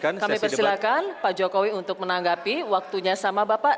kami persilakan pak jokowi untuk menanggapi waktunya sama bapak